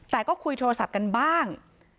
แต่ก็คุยโทรศัพท์กันบ้าง